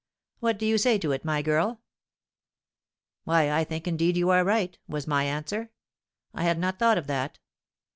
What do you say to it, my girl?' 'Why, I think indeed you are right,' was my answer; 'I had not thought of that.'